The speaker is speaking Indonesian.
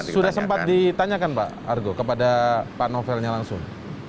sudah sempat ditanyakan pak argo kepada pak novelnya langsung